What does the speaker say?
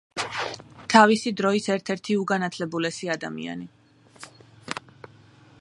თავისი დროის ერთ-ერთი უგანათლებულესი ადამიანი.